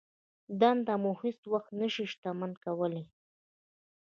دنده مو هېڅ وخت نه شي شتمن کولای.